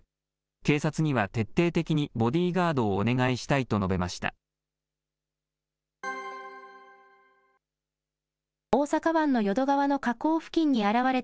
警察には徹底的にボディーガードをお願いしたいと述べました。